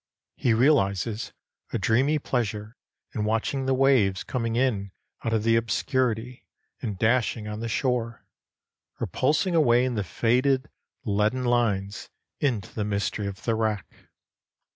He realizes a dreamy pleasure in watching the waves coming in out of the obscurity and dashing on the shore, or pulsing away in fading leaden lines into the mystery of the wrack.